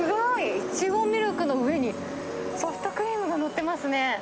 イチゴミルクの上にソフトクリームが載ってますね。